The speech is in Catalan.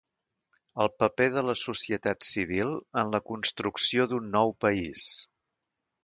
El paper de la societat civil en la construcció d’un nou país.